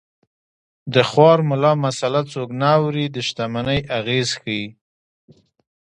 د خوار ملا مساله څوک نه اوري د شتمنۍ اغېز ښيي